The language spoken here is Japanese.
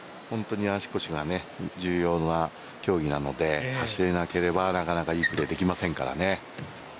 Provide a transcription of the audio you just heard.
足腰が重要な競技なので走れなければ、なかなかいいプレーできませんからね。